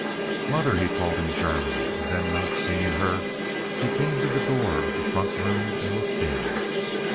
"Mother," he called, in German, and, then not seeing her, he came to the door of the front room and looked in.